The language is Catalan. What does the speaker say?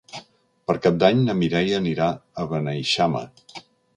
Per Cap d'Any na Mireia anirà a Beneixama.